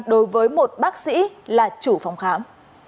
đối với một bác sĩ là chủ phòng khám